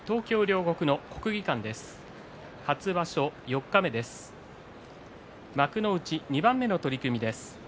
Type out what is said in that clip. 後半２番目の取組です。